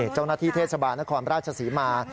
เจ้าหน้าที่เทศบาลนครราชศรีมา